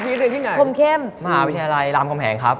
พรหมเข้มหาวิทยาลัยรามพำแห่งครับ